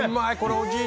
おじい